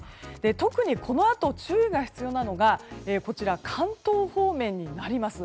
特にこのあと注意が必要なのは関東方面になります。